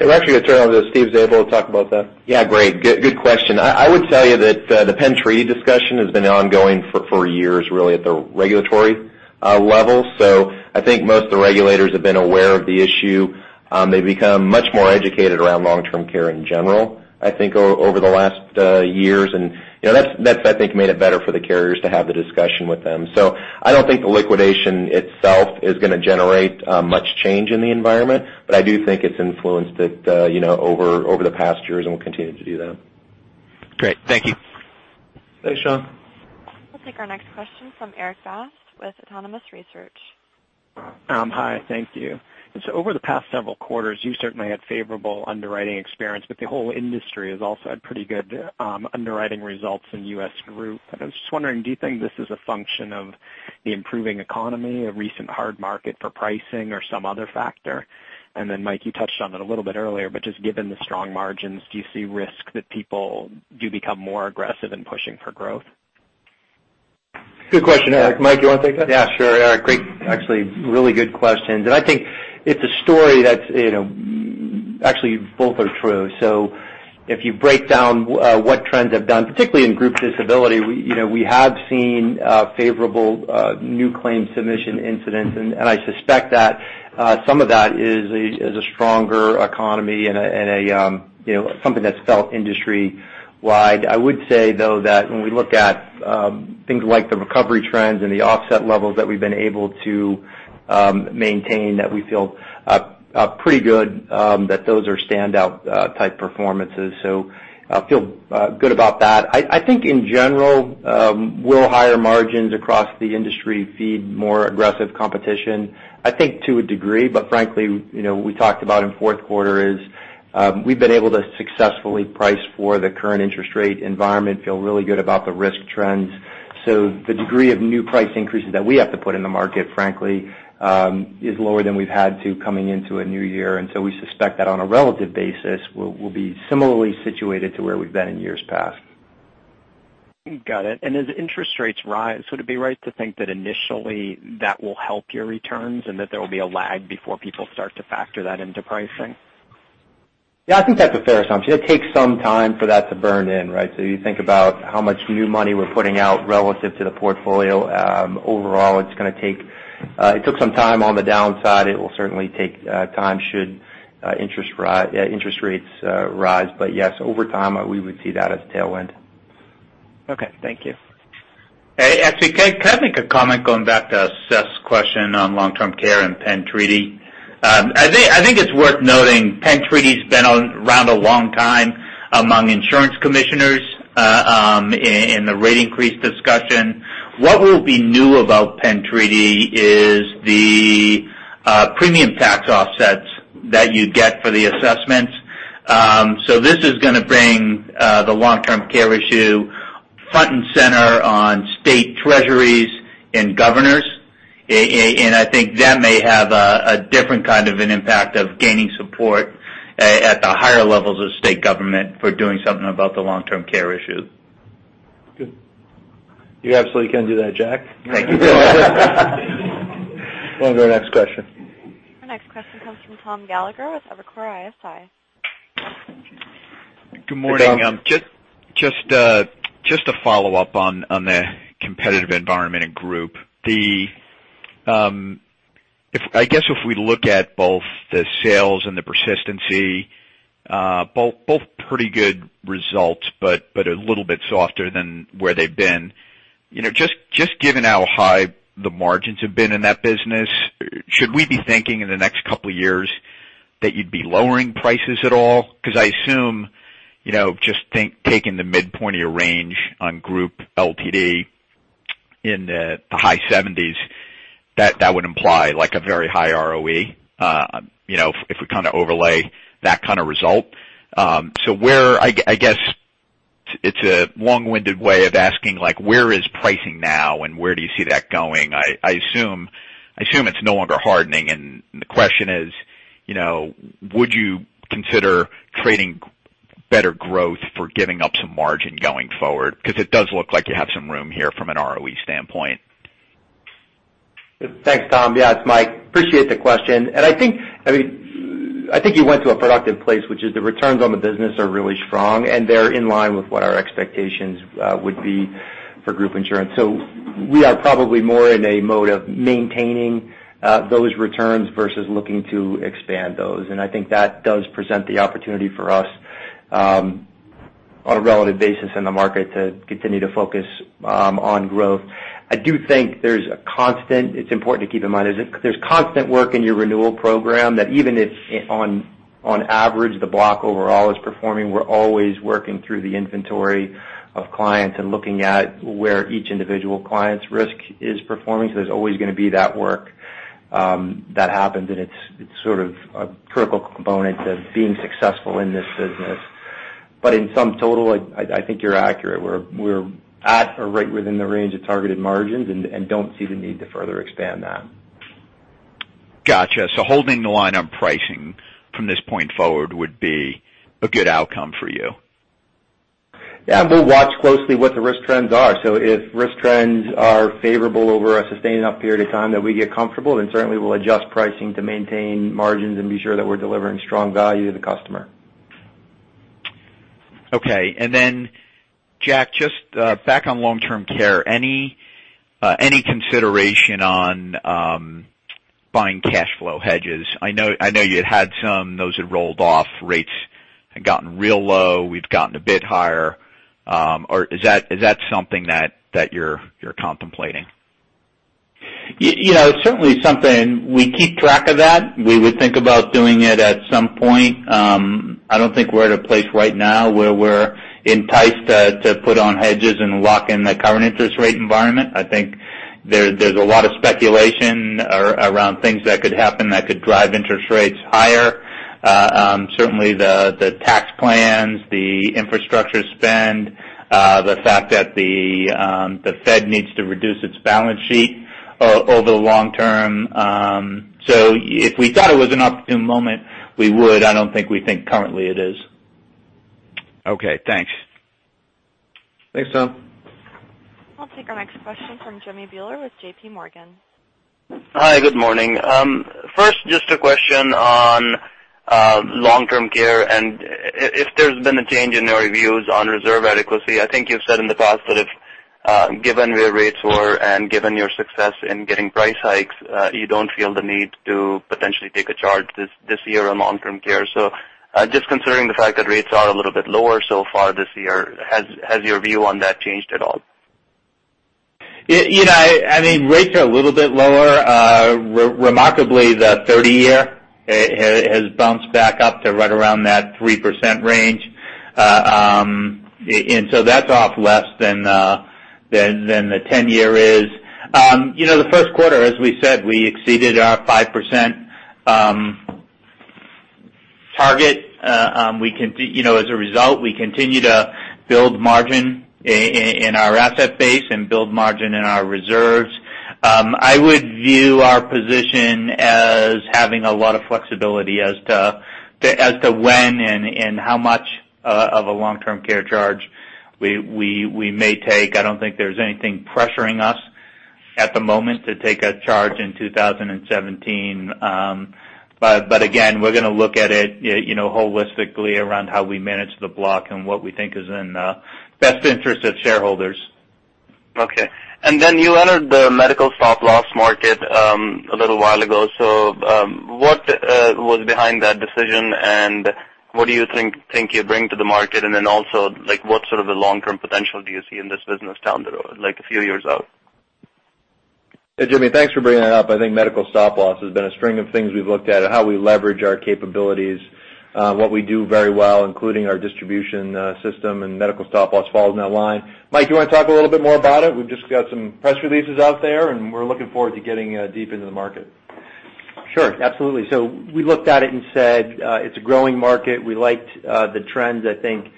I'm actually going to turn it over to Steven Zabel to talk about that. Yeah, great. Good question. I would tell you that the Penn Treaty discussion has been ongoing for years, really at the regulatory level. I think most of the regulators have been aware of the issue. They've become much more educated around long-term care in general, I think, over the last years, and that's, I think, made it better for the carriers to have the discussion with them. I don't think the liquidation itself is going to generate much change in the environment, but I do think it's influenced it over the past years and will continue to do that. Great. Thank you. Thanks, Sean. We'll take our next question from Erik Bass with Autonomous Research. Hi. Thank you. Over the past several quarters, you certainly had favorable underwriting experience, but the whole industry has also had pretty good underwriting results in US Group. I'm just wondering, do you think this is a function of the improving economy, a recent hard market for pricing or some other factor? Mike, you touched on it a little bit earlier, but just given the strong margins, do you see risk that people do become more aggressive in pushing for growth? Good question, Erik. Mike, do you want to take that? Yeah, sure, Erik. Great. Actually, really good questions. I think it's a story that's actually, both are true. If you break down what trends have done, particularly in Group Disability, we have seen favorable new claim submission incidents. I suspect that some of that is a stronger economy and something that's felt industry wide. I would say, though, that when we look at things like the recovery trends and the offset levels that we've been able to maintain, that we feel pretty good that those are standout type performances. I feel good about that. I think in general will higher margins across the industry feed more aggressive competition? I think to a degree, but frankly, what we talked about in fourth quarter is we've been able to successfully price for the current interest rate environment, feel really good about the risk trends. The degree of new price increases that we have to put in the market, frankly, is lower than we've had to coming into a new year. We suspect that on a relative basis, we'll be similarly situated to where we've been in years past. Got it. As interest rates rise, would it be right to think that initially that will help your returns and that there will be a lag before people start to factor that into pricing? Yeah, I think that's a fair assumption. It takes some time for that to burn in, right? You think about how much new money we're putting out relative to the portfolio. Overall, it took some time on the downside. It will certainly take time should interest rates rise. Yes, over time, we would see that as tailwind. Okay. Thank you. Actually, can I make a comment going back to Seth's question on long-term care and Penn Treaty? I think it's worth noting Penn Treaty's been around a long time among insurance commissioners in the rate increase discussion. What will be new about Penn Treaty is the premium tax offsets that you get for the assessments. This is going to bring the long-term care issue front and center on state treasuries and governors. And I think that may have a different kind of an impact of gaining support at the higher levels of state government for doing something about the long-term care issue. Good. You absolutely can do that, Jack. Thank you. We'll go next question. Our next question comes from Thomas Gallagher with Evercore ISI. Good morning. Just a follow-up on the competitive environment in Group. I guess if we look at both the sales and the persistency, both pretty good results, but a little bit softer than where they've been. Just given how high the margins have been in that business, should we be thinking in the next couple of years that you'd be lowering prices at all? Because I assume, just taking the midpoint of your range on Group LTD in the high 70s, that would imply like a very high ROE, if we kind of overlay that kind of result. I guess it's a long-winded way of asking, like, where is pricing now and where do you see that going? I assume it's no longer hardening, the question is: Would you consider trading better growth for giving up some margin going forward? It does look like you have some room here from an ROE standpoint. Thanks, Tom. It's Mike. Appreciate the question. I think you went to a productive place, which is the returns on the business are really strong, and they're in line with what our expectations would be for group insurance. We are probably more in a mode of maintaining those returns versus looking to expand those. I think that does present the opportunity for us On a relative basis in the market to continue to focus on growth. I do think there's a constant, it's important to keep in mind, there's constant work in your renewal program that even if on average, the block overall is performing, we're always working through the inventory of clients and looking at where each individual client's risk is performing. There's always going to be that work that happens, and it's sort of a critical component of being successful in this business. In sum total, I think you're accurate. We're at or right within the range of targeted margins and don't see the need to further expand that. Got you. Holding the line on pricing from this point forward would be a good outcome for you. Yeah. We'll watch closely what the risk trends are. If risk trends are favorable over a sustained enough period of time that we get comfortable, then certainly we'll adjust pricing to maintain margins and be sure that we're delivering strong value to the customer. Okay. Jack, just back on long-term care, any consideration on buying cash flow hedges? I know you'd had some, those had rolled off, rates had gotten real low, we've gotten a bit higher. Is that something that you're contemplating? It's certainly something we keep track of that. We would think about doing it at some point. I don't think we're at a place right now where we're enticed to put on hedges and lock in the current interest rate environment. I think there's a lot of speculation around things that could happen that could drive interest rates higher. Certainly, the tax plans, the infrastructure spend, the fact that the Fed needs to reduce its balance sheet over the long term. If we thought it was an opportune moment, we would. I don't think we think currently it is. Okay, thanks. Thanks, Tom. I'll take our next question from Jimmy Bhullar with J.P. Morgan. Hi, good morning. First, just a question on long-term care, and if there's been a change in your views on reserve adequacy. I think you've said in the past that if given where rates were and given your success in getting price hikes, you don't feel the need to potentially take a charge this year on long-term care. Just considering the fact that rates are a little bit lower so far this year, has your view on that changed at all? I mean, rates are a little bit lower. Remarkably, the 30-year has bounced back up to right around that 3% range. That's off less than the 10-year is. The first quarter, as we said, we exceeded our 5% target. As a result, we continue to build margin in our asset base and build margin in our reserves. I would view our position as having a lot of flexibility as to when and how much of a long-term care charge we may take. I don't think there's anything pressuring us at the moment to take a charge in 2017. Again, we're going to look at it holistically around how we manage the block and what we think is in the best interest of shareholders. Okay. You entered the medical stop loss market a little while ago. What was behind that decision and what do you think you bring to the market? Also, what sort of the long-term potential do you see in this business down the road, like a few years out? Hey, Jimmy. Thanks for bringing that up. I think medical stop loss has been a string of things we've looked at on how we leverage our capabilities, what we do very well, including our distribution system, and medical stop loss falls in that line. Mike, you want to talk a little bit more about it? We've just got some press releases out there, and we're looking forward to getting deep into the market. Sure, absolutely. We looked at it and said, it's a growing market. We liked the trends. I think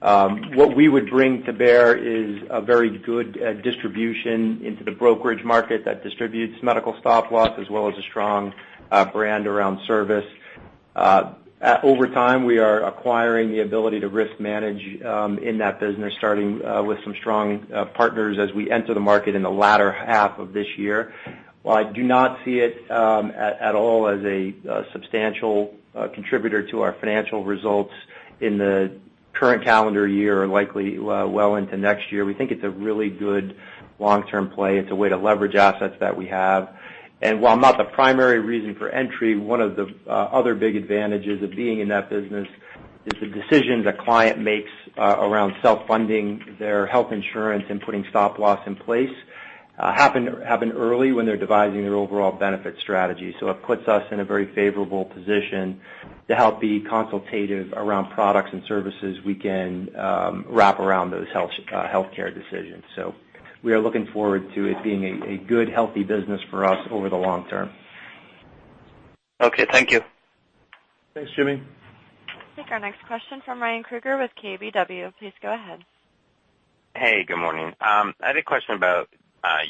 what we would bring to bear is a very good distribution into the brokerage market that distributes medical stop loss as well as a strong brand around service. Over time, we are acquiring the ability to risk manage in that business, starting with some strong partners as we enter the market in the latter half of this year. While I do not see it at all as a substantial contributor to our financial results in the current calendar year or likely well into next year, we think it's a really good long-term play. It's a way to leverage assets that we have. While not the primary reason for entry, one of the other big advantages of being in that business is the decision the client makes around self-funding their health insurance and putting stop loss in place happen early when they're devising their overall benefit strategy. It puts us in a very favorable position to help be consultative around products and services we can wrap around those healthcare decisions. We are looking forward to it being a good, healthy business for us over the long term. Okay, thank you. Thanks, Jimmy. Take our next question from Ryan Krueger with KBW. Please go ahead. Hey, good morning. I had a question about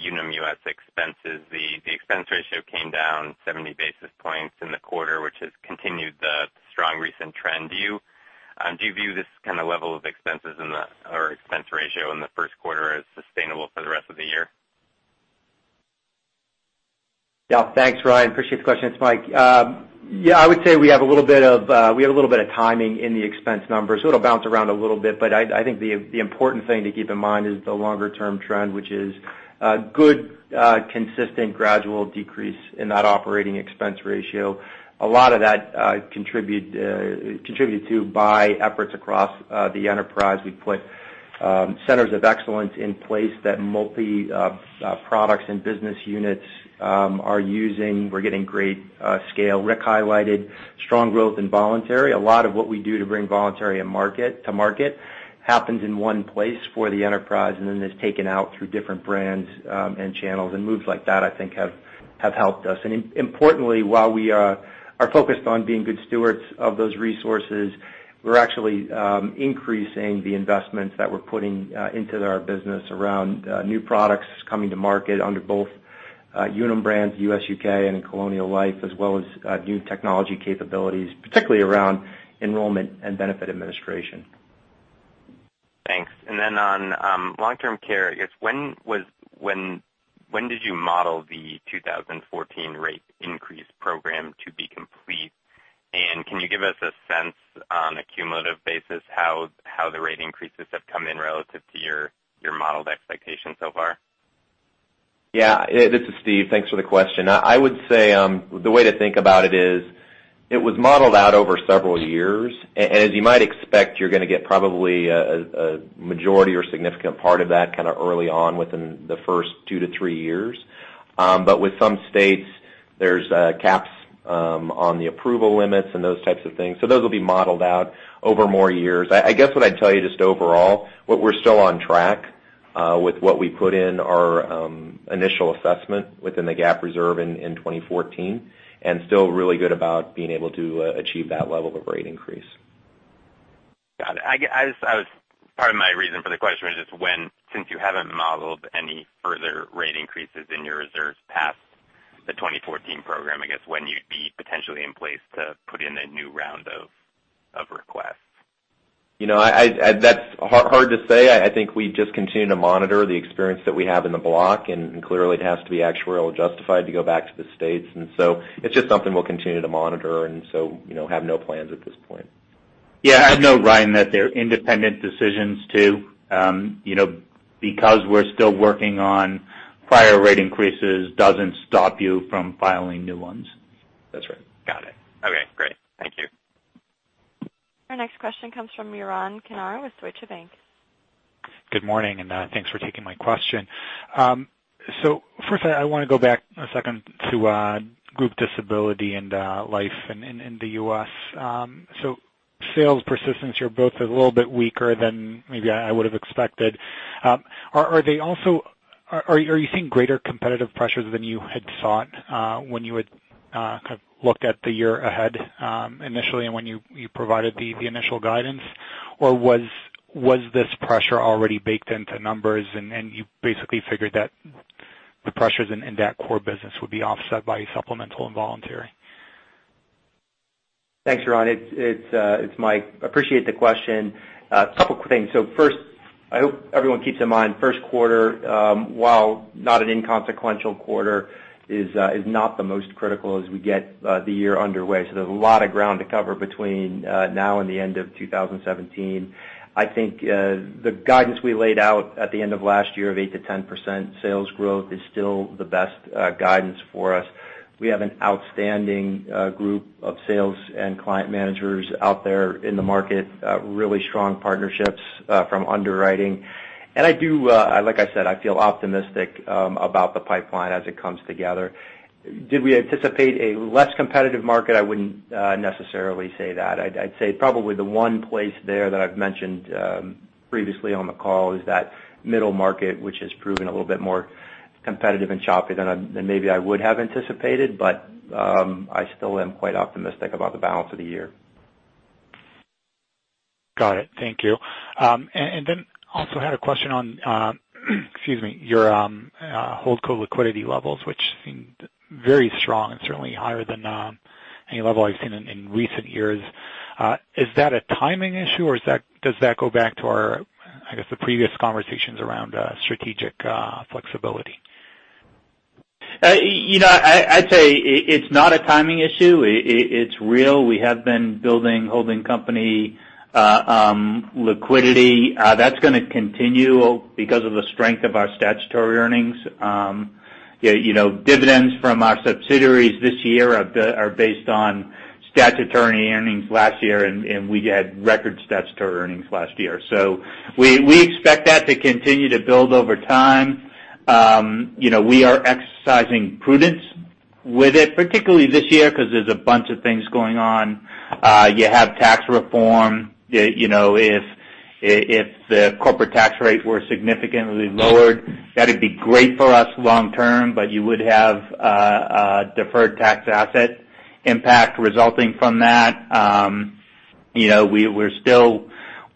Unum US expenses. The expense ratio came down 70 basis points in the quarter, which has continued the strong recent trend. Do you view this kind of level of expenses or expense ratio in the first quarter as sustainable for the rest of the year? Yeah. Thanks, Ryan. Appreciate the question. It's Mike. Yeah, I would say we have a little bit of timing in the expense numbers. It'll bounce around a little bit. I think the important thing to keep in mind is the longer-term trend, which is a good, consistent, gradual decrease in that operating expense ratio. A lot of that contributed to by efforts across the enterprise we put Centers of excellence in place that multi-products and business units are using. We're getting great scale. Rick highlighted strong growth in voluntary. A lot of what we do to bring voluntary to market happens in one place for the enterprise, and then is taken out through different brands and channels. Moves like that, I think, have helped us. Importantly, while we are focused on being good stewards of those resources, we're actually increasing the investments that we're putting into our business around new products coming to market under both Unum U.S., Unum U.K., and Colonial Life, as well as new technology capabilities, particularly around enrollment and benefit administration. Thanks. Then on long-term care, I guess, when did you model the 2014 rate increase program to be complete? Can you give us a sense on a cumulative basis how the rate increases have come in relative to your modeled expectations so far? This is Steve. Thanks for the question. I would say, the way to think about it is, it was modeled out over several years. As you might expect, you're going to get probably a majority or significant part of that kind of early on within the first two to three years. With some states, there's caps on the approval limits and those types of things. Those will be modeled out over more years. I guess what I'd tell you, just overall, we're still on track with what we put in our initial assessment within the GAAP reserve in 2014, and still really good about being able to achieve that level of rate increase. Got it. Part of my reason for the question was just when, since you haven't modeled any further rate increases in your reserves past the 2014 program, I guess when you'd be potentially in place to put in a new round of requests. That's hard to say. I think we just continue to monitor the experience that we have in the block. Clearly it has to be actuarially justified to go back to the states. It's just something we'll continue to monitor. Have no plans at this point. Yeah. I'd note, Ryan, that they're independent decisions, too. We're still working on prior rate increases doesn't stop you from filing new ones. That's right. Got it. Okay, great. Thank you. Our next question comes from Yaron Kinar with Deutsche Bank. Good morning, and thanks for taking my question. Firstly, I want to go back a second to Group Disability and Group Life in the U.S. Sales persistency are both a little bit weaker than maybe I would've expected. Are you seeing greater competitive pressures than you had thought when you had kind of looked at the year ahead initially and when you provided the initial guidance? Or was this pressure already baked into numbers and you basically figured that the pressures in that core business would be offset by supplemental and voluntary? Thanks, Yaron. It's Mike. Appreciate the question. A couple of things. First, I hope everyone keeps in mind, first quarter, while not an inconsequential quarter, is not the most critical as we get the year underway. There's a lot of ground to cover between now and the end of 2017. I think the guidance we laid out at the end of last year of 8%-10% sales growth is still the best guidance for us. We have an outstanding group of sales and client managers out there in the market, really strong partnerships from underwriting. Like I said, I feel optimistic about the pipeline as it comes together. Did we anticipate a less competitive market? I wouldn't necessarily say that. I'd say probably the one place there that I've mentioned previously on the call is that middle market, which has proven a little bit more competitive and choppy than maybe I would have anticipated. I still am quite optimistic about the balance of the year. Got it. Thank you. Also had a question on, excuse me, your holdco liquidity levels, which seemed very strong and certainly higher than any level I've seen in recent years. Is that a timing issue, or does that go back to our, I guess, the previous conversations around strategic flexibility? I'd say it's not a timing issue. It's real. We have been building holding company liquidity. That's going to continue because of the strength of our statutory earnings. Dividends from our subsidiaries this year are based on statutory earnings last year, and we had record statutory earnings last year. We expect that to continue to build over time. We are exercising prudence with it, particularly this year, because there's a bunch of things going on. You have tax reform. If the corporate tax rate were significantly lowered, that'd be great for us long term, but you would have a deferred tax asset impact resulting from that. We're still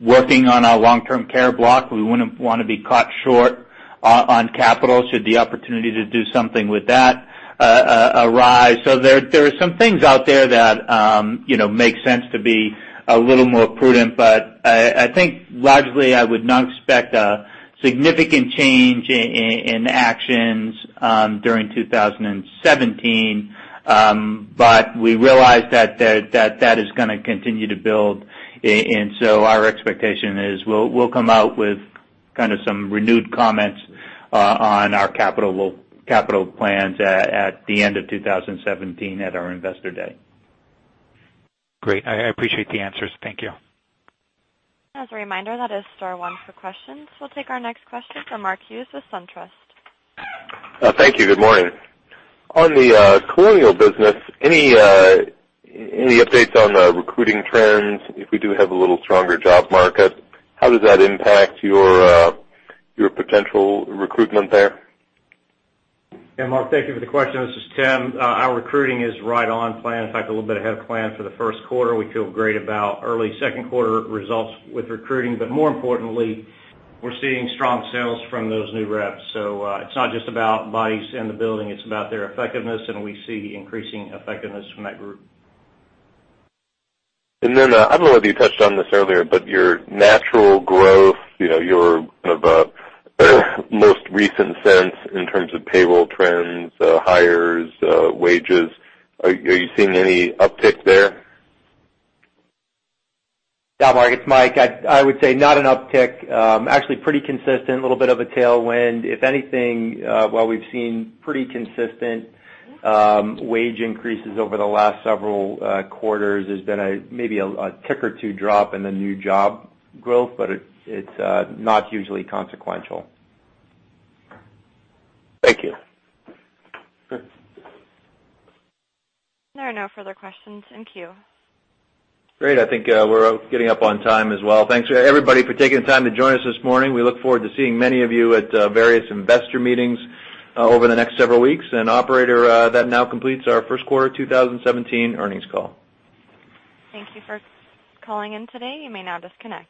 working on our long-term care block. We wouldn't want to be caught short on capital should the opportunity to do something with that arise. There are some things out there that make sense to be a little more prudent. I think logically, I would not expect a significant change in actions during 2017. We realize that is going to continue to build. Our expectation is, we'll come out with kind of some renewed comments on our capital plans at the end of 2017 at our investor day. Great. I appreciate the answers. Thank you. As a reminder, that is star one for questions. We will take our next question from Mark Hughes with SunTrust. Thank you. Good morning. On the Colonial business, any updates on the recruiting trends? If we do have a little stronger job market, how does that impact your potential recruitment there? Mark, thank you for the question. This is Tim. Our recruiting is right on plan. In fact, a little bit ahead of plan for the first quarter. We feel great about early second quarter results with recruiting. More importantly, we are seeing strong sales from those new reps. It is not just about bodies in the building, it is about their effectiveness, and we see increasing effectiveness from that group. I do not know if you touched on this earlier, your natural growth, your kind of most recent sense in terms of payroll trends, hires, wages, are you seeing any uptick there? Yeah, Mark, it's Mike. I would say not an uptick. Actually pretty consistent, little bit of a tailwind. If anything, while we've seen pretty consistent wage increases over the last several quarters, there's been maybe a tick or two drop in the new job growth, but it's not hugely consequential. Thank you. There are no further questions in queue. Great. I think we're getting up on time as well. Thanks everybody for taking the time to join us this morning. We look forward to seeing many of you at various investor meetings over the next several weeks. Operator, that now completes our first quarter 2017 earnings call. Thank you for calling in today. You may now disconnect.